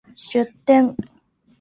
出店